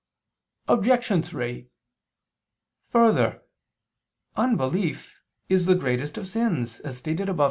Obj. 3: Further, unbelief is the greatest of sins, as stated above (A.